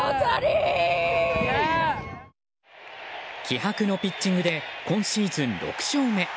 気迫のピッチングで今シーズン６勝目。